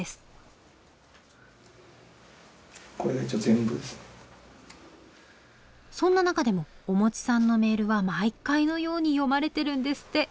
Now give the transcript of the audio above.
そんな中でもおもちさんのメールは毎回のように読まれてるんですって。